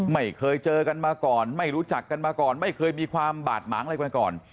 ไม่เคยเจอกันมาก่อนไม่รู้จักกันมาก่อนไม่เคยมีความบาดหมางอะไรกันก่อน